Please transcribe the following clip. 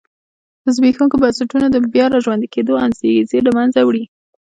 د زبېښونکو بنسټونو د بیا را ژوندي کېدو انګېزې له منځه وړي.